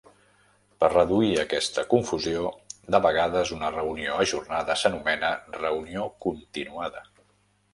Per reduir aquesta confusió, de vegades una reunió ajornada s'anomena "reunió continuada".